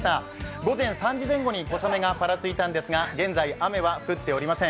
午前３時前後に小雨がぱらついたんですが、現在、雨は降っていません。